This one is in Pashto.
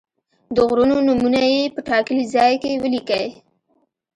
د غرونو نومونه یې په ټاکلي ځای کې ولیکئ.